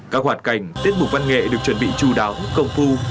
các hoạt cảnh tiết mục văn nghệ được chuẩn bị chú đáo công phu